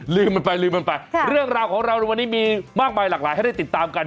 ลืมมันไปลืมมันไปเรื่องราวของเราในวันนี้มีมากมายหลากหลายให้ได้ติดตามกัน